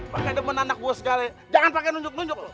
pake demen anak gw segalanya jangan pake nunjuk nunjuk lo